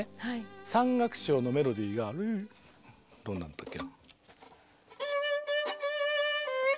３楽章のメロディーがどんなんだったっけ。